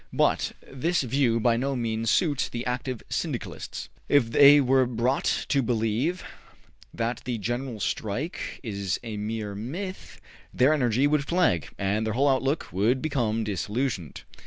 But this view by no means suits the active Syndicalists. If they were brought to believe that the General Strike is a mere myth, their energy would flag, and their whole outlook would become disillusioned.